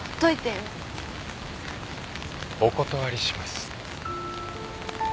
お断りします。